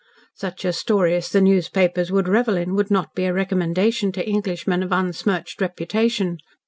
Such a story as the newspapers would revel in would not be a recommendation to Englishmen of unsmirched reputation.